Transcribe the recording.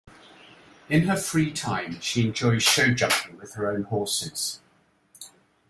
In her free time she enjoys show jumping with her own horses.